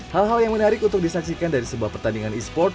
hal hal yang menarik untuk disaksikan dari sebuah pertandingan e sports